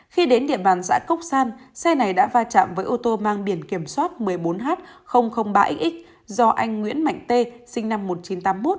khi đến địa bàn xã cốc san xe này đã va chạm với ô tô mang biển kiểm soát một mươi bốn h ba x do anh nguyễn mạnh t sinh năm một nghìn chín trăm tám mươi một